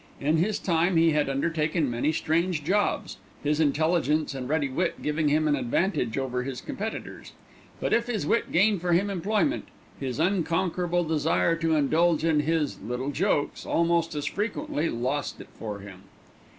In his time he had undertaken many strange jobs, his intelligence and ready wit giving him an advantage over his competitors; but if his wit gained for him employment, his unconquerable desire to indulge in his "little jokes" almost as frequently lost it for him.